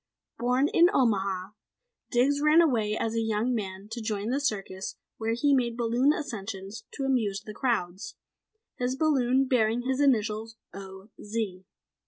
Born in Omaha, Diggs ran away as a young man to join a circus where he made balloon ascensions to amuse the crowds, his balloon bearing his initials O. Z.